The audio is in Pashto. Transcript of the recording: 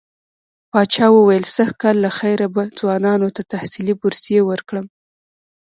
پاچا وويل سږ کال له خيره به ځوانانو ته تحصيلي بورسيې ورکړم.